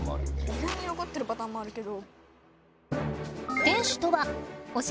いがいに残ってるパターンもあるけど。